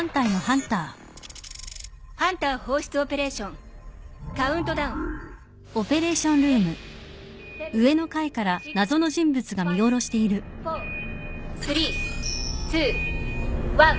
ハンター放出オペレーションカウントダウン８７６５４３２１０。